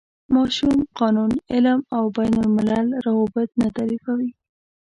ماشوم، قانون، علم او بین الملل روابط به تعریفوي.